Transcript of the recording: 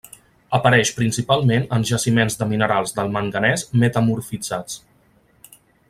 Apareix principalment en jaciments de minerals del manganès metamorfitzats.